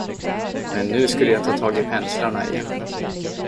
Men nu skulle jag ta tag i penslarna igen.